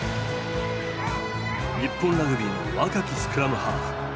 日本ラグビーの若きスクラムハーフ。